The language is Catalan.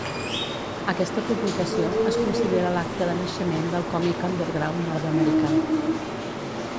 Aquesta publicació es considera l'acta de naixement del còmic underground nord-americà.